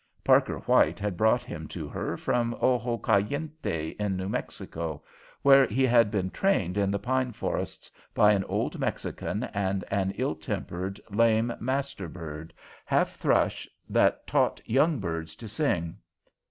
Parker White had brought him to her, from Ojo Caliente, in New Mexico, where he had been trained in the pine forests by an old Mexican and an ill tempered, lame master bird, half thrush, that taught young birds to sing.